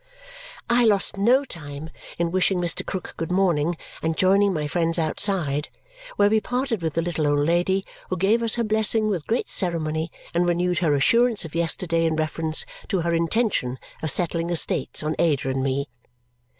I lost no time in wishing Mr. Krook good morning and joining my friends outside, where we parted with the little old lady, who gave us her blessing with great ceremony and renewed her assurance of yesterday in reference to her intention of settling estates on Ada and me.